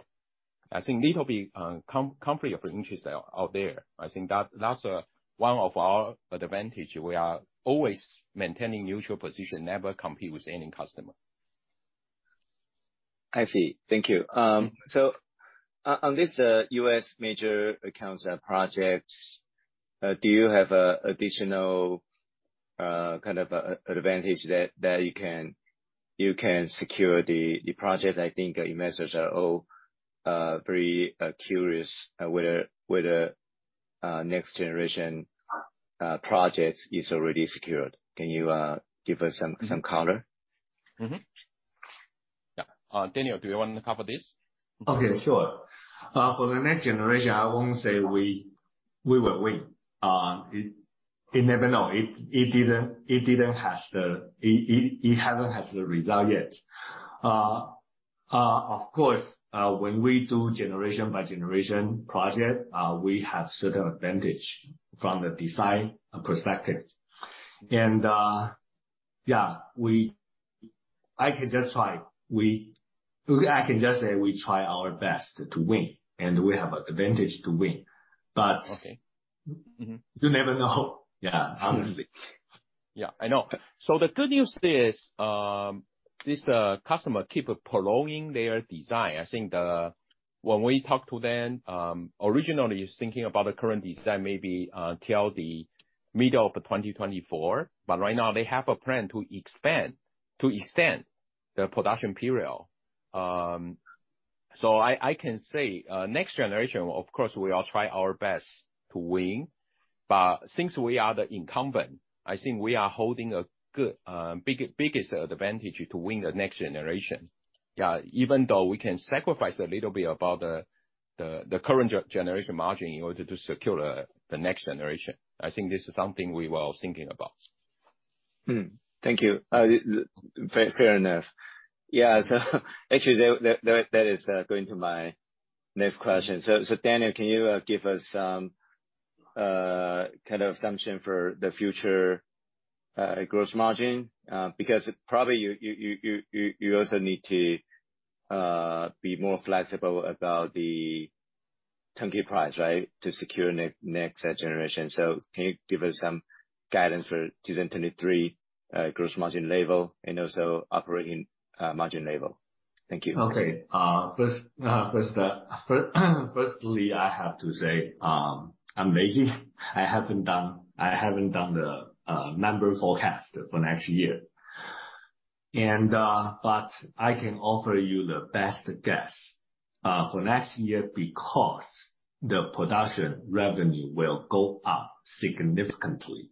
I think little bit conflict of interest are there. I think that that's one of our advantage. We are always maintaining neutral position, never compete with any customer. I see. Thank you. On this U.S. major accounts projects, do you have additional kind of a advantage that you can secure the project? I think investors are all very curious whether next generation projects is already secured. Can you give us some color? Mm-hmm. Yeah. Daniel, do you wanna cover this? Okay, sure. For the next generation, I won't say we will win. You never know. It hasn't had the result yet. Of course, when we do generation by generation project, we have certain advantage from the design perspective. Yeah, I can just say we try our best to win, and we have advantage to win. Okay. Mm-hmm. You never know. Yeah. Honestly. Yeah, I know. The good news is, this customer keep prolonging their design. I think. When we talk to them, originally is thinking about the current design, maybe till the middle of 2024. Right now they have a plan to expand, to extend the production period. I can say, next generation, of course we all try our best to win, but since we are the incumbent, I think we are holding a good, biggest advantage to win the next generation. Yeah. Even though we can sacrifice a little bit about the current generation margin in order to secure the next generation. I think this is something we were thinking about. Thank you. Fair enough. Yeah. Actually, that is going to my next question. Daniel, can you give us some kind of assumption for the future gross margin? Because probably you also need to be more flexible about the turnkey price, right, to secure next generation. Can you give us some guidance for 2023 gross margin level and also operating margin level? Thank you. Okay. Firstly, I have to say, I'm lazy. I haven't done the number forecast for next year. I can offer you the best guess for next year because the production revenue will go up significantly.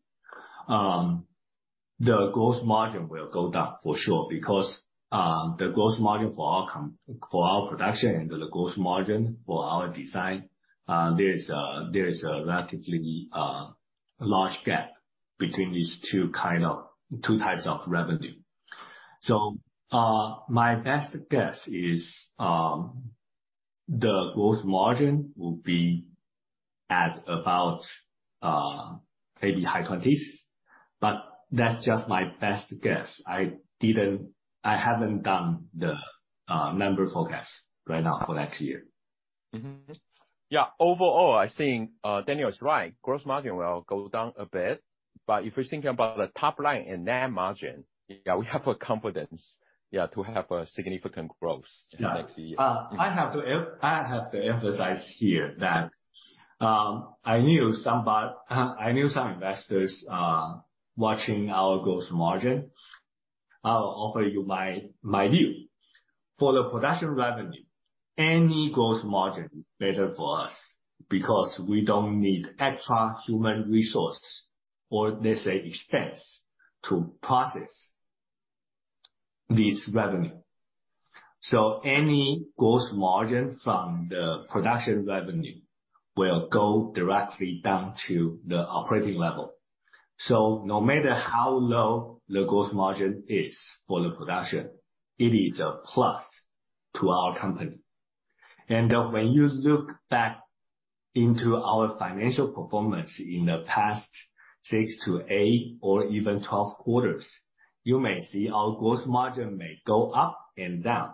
The gross margin will go down for sure because the gross margin for our production and the gross margin for our design, there is a relatively large gap between these two types of revenue. My best guess is the gross margin will be at about maybe high 20%, but that's just my best guess. I haven't done the number forecast right now for next year. Mm-hmm. Yeah. Overall, I think, Daniel is right. Gross margin will go down a bit. If we're thinking about the top line and net margin. Yeah. We have confidence to have significant growth. Yeah. Next year. I have to emphasize here that I knew some investors are watching our gross margin. I'll offer you my view. For the production revenue, any gross margin better for us because we don't need extra human resources or let's say expense to process this revenue. Any gross margin from the production revenue will go directly down to the operating level. No matter how low the gross margin is for the production, it is a plus to our company. When you look back into our financial performance in the past six to eight or even 12 quarters, you may see our gross margin may go up and down.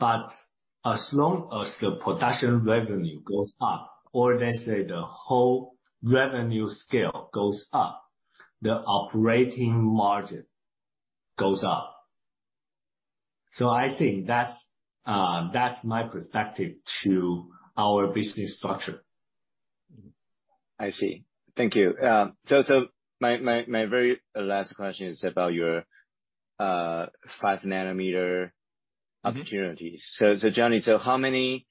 As long as the production revenue goes up, or let's say the whole revenue scale goes up, the operating margin goes up. I think that's my perspective to our business structure. I see. Thank you. My very last question is about your 5 nm opportunities. Johnny, how many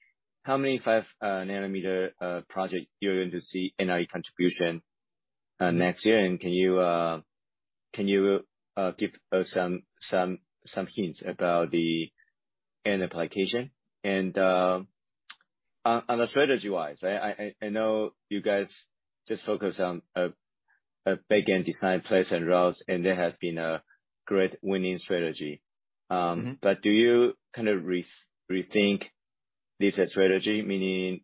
5 nm projects you're going to see NRE contribution next year? And can you give us some hints about the end application? And, on a strategy wise, I know you guys just focus on a backend design place and routes, and there has been a great winning strategy. But do you kind of rethink this strategy? Meaning,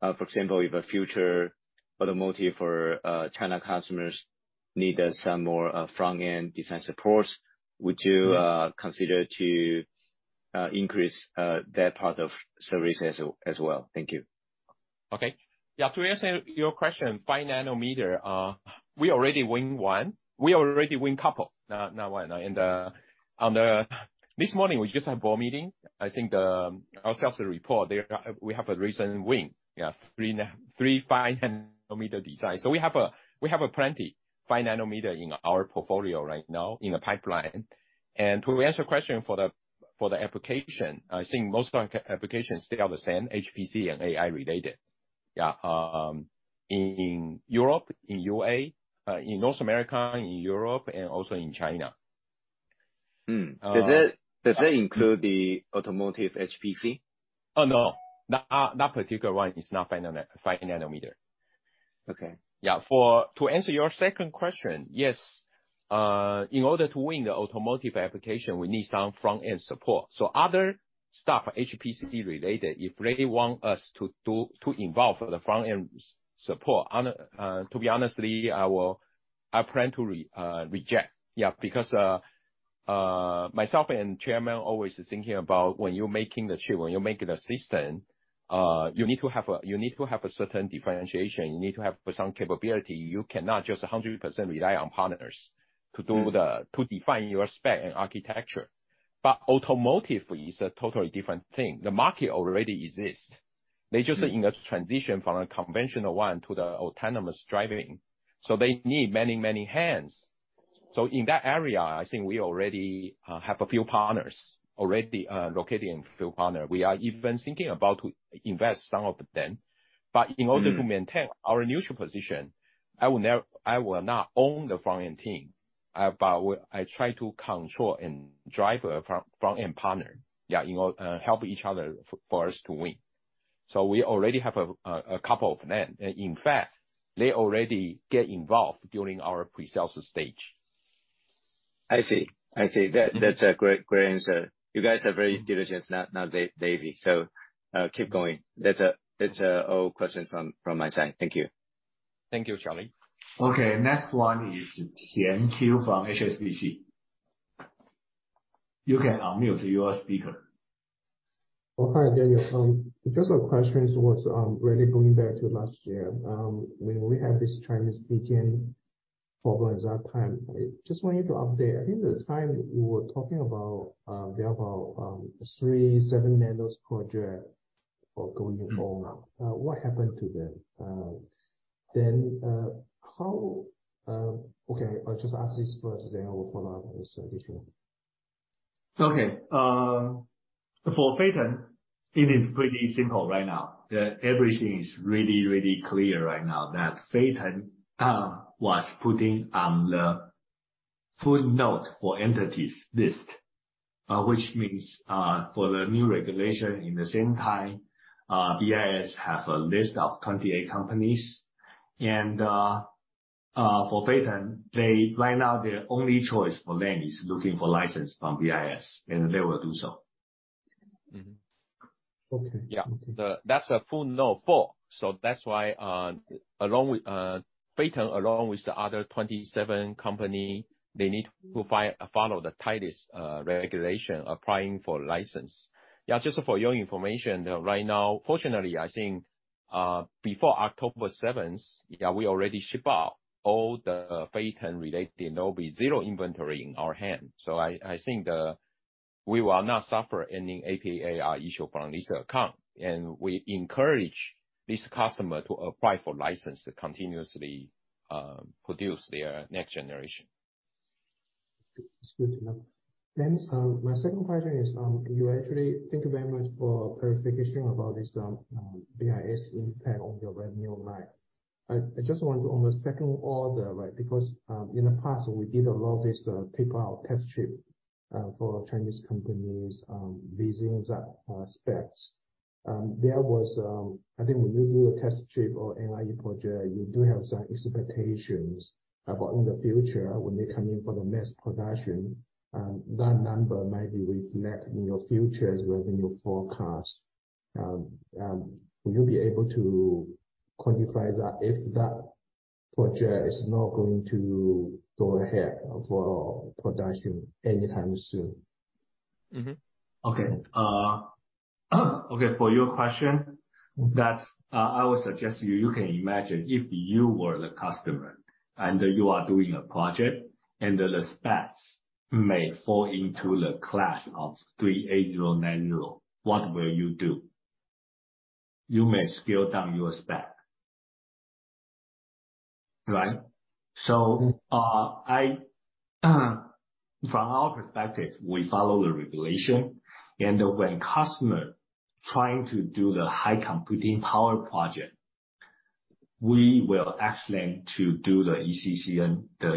for example, if a future automotive or China customers need some more front-end design supports, would you consider to increase that part of services as well? Thank you. Okay. Yeah, to answer your question, 5 nm, we already win one. We already win couple. Not one. This morning we just had board meeting. I think our sales report, they are. We have a recent win. Yeah, 3 nm-5 nm design. So we have plenty 5 nm in our portfolio right now in the pipeline. To answer your question for the application, I think most of our applications, they are the same, HPC and AI related. Yeah. In Europe, in the U.S., in North America, in Europe, and also in China. Hmm. Does it include the automotive HPC? Oh, no. That particular one is not 5 nm. Okay. To answer your second question, yes. In order to win the automotive application, we need some front-end support. Other stuff, HPC related, if they want us to involve for the front-end support, to be honest, I plan to reject. Because myself and chairman always thinking about when you're making the chip, when you're making the system, you need to have a certain differentiation. You need to have put some capability. You cannot just 100% rely on partners to define your spec and architecture. Automotive is a totally different thing. The market already exists. They just are in a transition from a conventional one to the autonomous driving. They need many, many hands. In that area, I think we already have a few partners. Already locating a few partners. We are even thinking about to invest some of them. In order- Mm. To maintain our neutral position, I will not own the front-end team. But I try to control and drive a front-end partner, yeah, you know, help each other for us to win. We already have a couple of them. In fact, they already get involved during our pre-sales stage. I see. That's a great answer. You guys are very diligent, not lazy. Keep going. That's all questions from my side. Thank you. Thank you, Charlie. Okay, next one is Qian Qiu from HSBC. You can unmute your speaker. Oh, hi, Daniel. The first question was really going back to last year, when we had this Chinese VPN problem at that time. I just want you to update. I think at the time we were talking about three 7 nm projects were going on. What happened to them? Okay, I'll just ask this first, then I will follow up with this additional. Okay. For Phytium, it is pretty simple right now. Everything is really clear right now that Phytium was put on the Entity List. Which means, for the new regulation, at the same time, BIS has a list of 28 companies. For Phytium, right now, their only choice for them is looking for license from BIS, and they will do so. Mm-hmm. Okay. Yeah. That's a full no. That's why, along with Phytium and the other 27 companies, they need to follow the tightest regulation applying for license. Yeah, just for your information, right now, fortunately, I think, before October 7th, we already ship out all the Phytium-related. There will be zero inventory in our hands. I think we will not suffer any AP/AR issue from this account, and we encourage this customer to apply for license to continuously produce their next generation. It's good to know. My second question is. Thank you very much for clarification about this BIS impact on your revenue line. I just want to on the second order, right? Because in the past we did a lot of this paper test chip for Chinese companies using that specs. I think when you do a test chip or NRE project, you do have some expectations about in the future when they come in for the mass production, that number may be reflect in your future's revenue forecast. Will you be able to quantify that if that project is not going to go ahead for production anytime soon? Mm-hmm. Okay, for your question, I would suggest you can imagine if you were the customer and you are doing a project and the specs may fall into the class of 3A090, what will you do? You may scale down your spec. Right? From our perspective, we follow the regulation. When customer trying to do the high computing power project, we will ask them to do the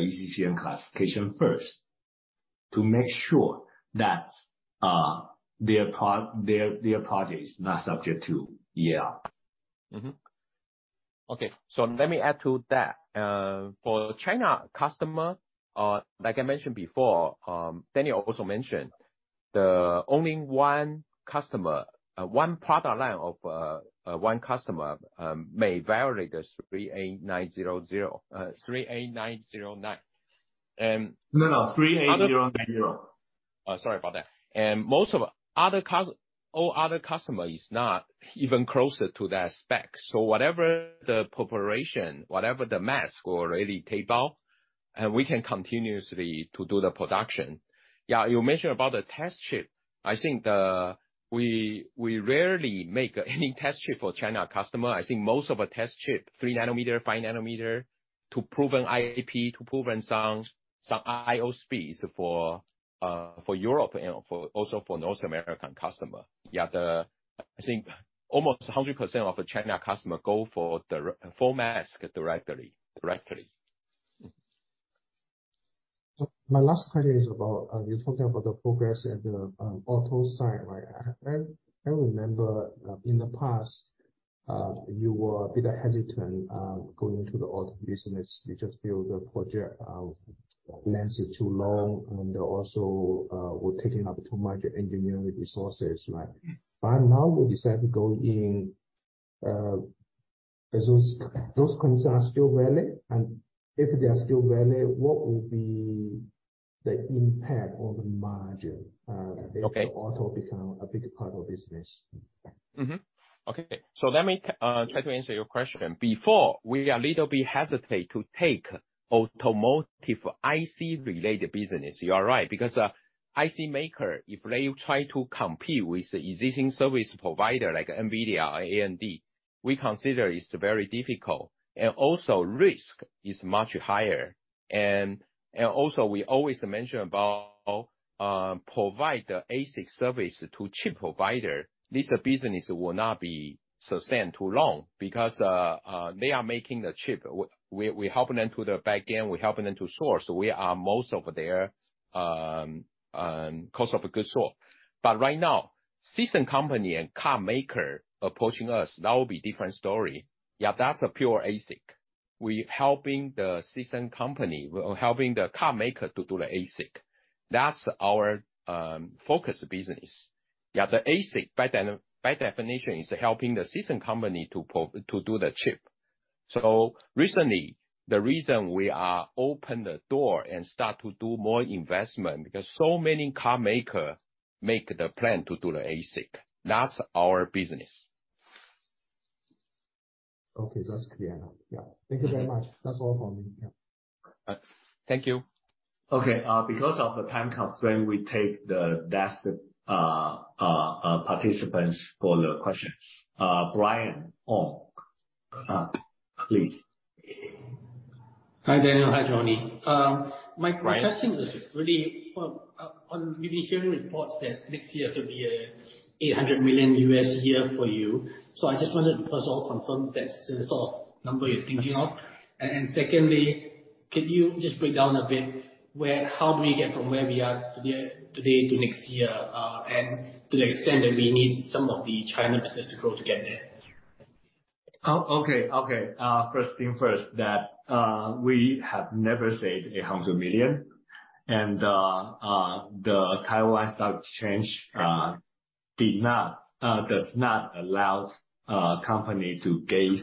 ECCN classification first to make sure that their project is not subject to EAR. Mm-hmm. Okay. Let me add to that. For China customer, like I mentioned before, Daniel also mentioned, the only one customer, one product line of one customer, may vary the 3A090. No, no. 3800. Oh, sorry about that. Most other customers are not even close to that spec. Whatever the preparation, whatever the mask or reticle, we can continue to do the production. Yeah, you mentioned about the test chip. I think we rarely make any test chip for Chinese customers. I think most of our test chips, 3 nm, 5 nm, to prove IP, to prove some I/O speeds for Europe and also for North American customers. Yeah, I think almost 100% of the Chinese customers go for full mask directly. My last question is about you were talking about the progress in the auto side, right? I remember in the past you were a bit hesitant going into the auto business. You just feel the project length is too long, and also we're taking up too much engineering resources, right? Now we decide to go in those concerns are still valid? And if they are still valid, what will be the impact on the margin? Okay. If auto become a bigger part of the business? Okay. Let me try to answer your question. Before, we are a little bit hesitate to take automotive IC-related business. You are right. Because IC maker, if they try to compete with existing service provider like NVIDIA or AMD, we consider it's very difficult and also risk is much higher. We always mention about provide the ASIC service to chip provider. This business will not be sustained too long because they are making the chip. We helping them to the back end, we helping them to source. We are most of their cost of goods sold. Right now, system company and car maker approaching us, that will be different story. Yeah, that's a pure ASIC. We helping the system company, we helping the car maker to do the ASIC. That's our focus business. Yeah, the ASIC by definition is helping the system company to do the chip. Recently, the reason we are open the door and start to do more investment, because so many car maker make the plan to do the ASIC. That's our business. Okay, that's clear now. Yeah. Thank you very much. That's all for me. Yeah. Thank you. Okay, because of the time constraint, we take the desktop participants for the questions. Brian, please. Hi, Daniel. Hi, Johnny. My question is really, well, we've been hearing reports that next year could be a $800 million year for you. I just wanted to first of all confirm that's the sort of number you're thinking of. Secondly, could you just break down a bit where, how do we get from where we are today to next year, and to the extent that we need some of the China business to grow to get there? Okay. First thing first, we have never said $800 million. The Taiwan Stock Exchange does not allow company to give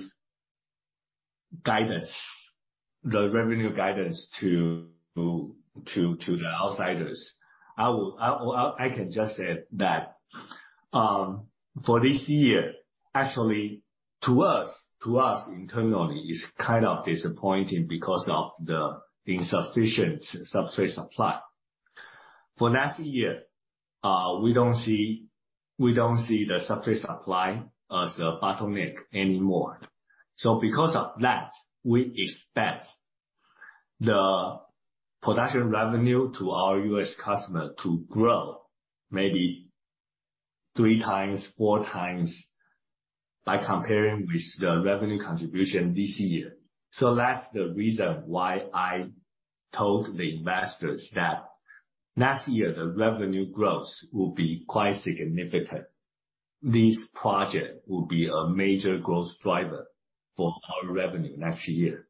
guidance, the revenue guidance to the outsiders. I can just say that, for this year, actually to us internally, it's kind of disappointing because of the insufficient substrate supply. For next year, we don't see the substrate supply as a bottleneck anymore. Because of that, we expect the production revenue to our U.S. customer to grow maybe three times, four times by comparing with the revenue contribution this year. That's the reason why I told the investors that next year the revenue growth will be quite significant. This project will be a major growth driver for our revenue next year.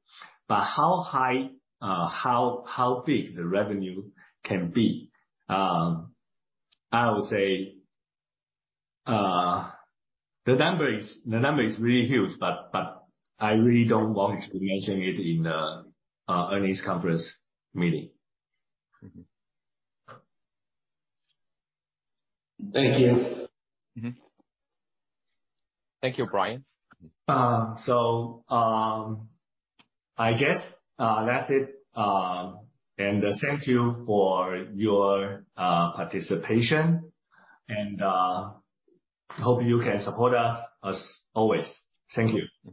How high, how big the revenue can be, I would say, the number is really huge, I really don't want to mention it in the earnings conference meeting. Thank you. Mm-hmm. Thank you, Brian. I guess that's it. Thank you for your participation. Hope you can support us as always. Thank you.